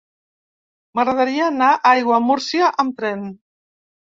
M'agradaria anar a Aiguamúrcia amb tren.